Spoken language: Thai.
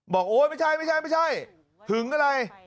บอกโอ้ยไม่ใช่ไม่ใช่ไม่ใช่ถึงก็ไร